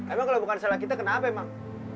emang kalau bukan salah kita kenapa emang